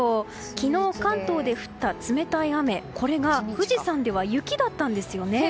昨日関東で降った冷たい雨これが富士山では雪だったんですよね。